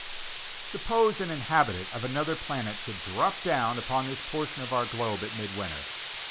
Suppose an inhabitant of another planet should drop down upon this portion of our globe at mid winter.